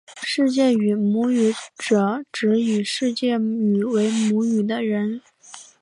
世界语母语者指以世界语为母语的人。